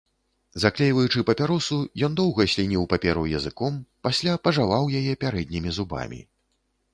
Заклейваючы папяросу, ён доўга слініў паперу языком, пасля пажаваў яе пярэднімі зубамі.